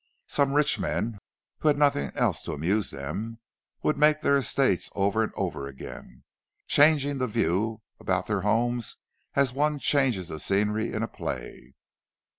Some rich men, who had nothing else to amuse them, would make their estates over and over again, changing the view about their homes as one changes the scenery in a play.